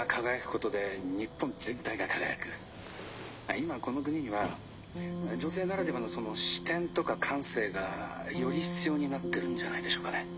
今この国には女性ならではのその視点とか感性がより必要になってるんじゃないでしょうかね」。